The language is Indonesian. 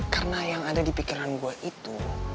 karena yang ada di pikiran gue itu